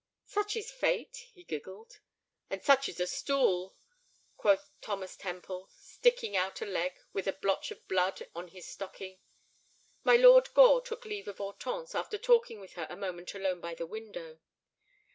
"Such is fate," he giggled. "And such is a stool!" quoth Thomas Temple, sticking out a leg with a blotch of blood on his stocking. My Lord Gore took leave of Hortense after talking with her a moment alone by the window.